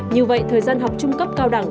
như vậy thời gian học trung cấp cao đẳng